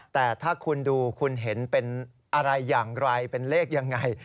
แต่ถ้าคุณดูคุณเห็นเป็นอะไรอย่างไรเป็นเลขยังไง